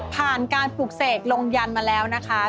ผ่านการปลูกเสกลงยันมาแล้วนะคะ